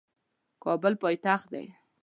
کابل پایتخت دی